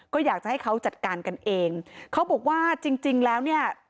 ก็อยากจะให้เขาจัดการกันเองเขาบอกว่าจริงจริงแล้วเนี่ย